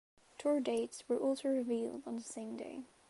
Tour dates were also revealed on the same day.